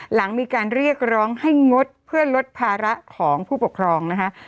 หลังมีการเรียกร้องให้งดเพื่อลดภาระของผู้ปกครองนะคะ